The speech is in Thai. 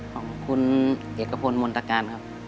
ของคุณเอกพลมนตการครับ